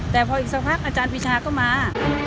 แต่พออีกสักพักอาจารย์ปีชาก็มา